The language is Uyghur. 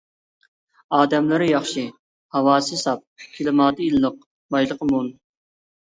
ئادەملىرى ياخشى، ھاۋاسى ساپ، كىلىماتى ئىللىق، بايلىقى مول.